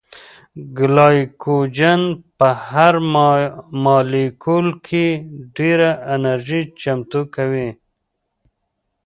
ګلایکوجن په هر مالیکول کې ډېره انرژي چمتو کوي